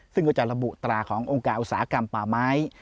ซึ่งก็จะระบุตราขององค์การอุตสาหกรรมป่าไม้